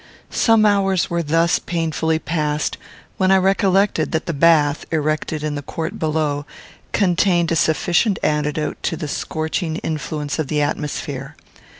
Some hours were thus painfully past, when I recollected that the bath, erected in the court below, contained a sufficient antidote to the scorching influence of the atmosphere.